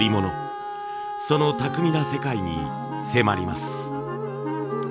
その巧みな世界に迫ります。